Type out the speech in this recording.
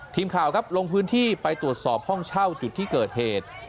ทีมข่าวครับลงพื้นที่ไปตรวจสอบห้องเช่าจุดที่เกิดเหตุ